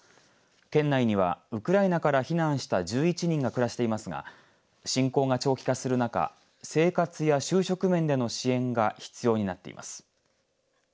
県内にはウクライナから避難した１１人が暮らしていますが侵攻が長期化する中生活や就職面での支援が必要になっています。